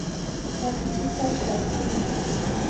wasikichaw chaskimay.